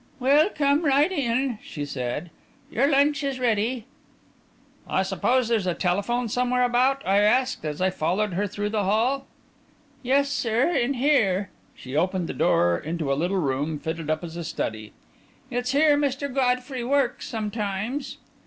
"Well, come right in," she said. "Your lunch is ready." "I suppose there's a telephone somewhere about?" I asked, as I followed her through the hall. "Yes, sir, in here," and she opened the door into a little room fitted up as a study. "It's here Mr. Godfrey works sometimes."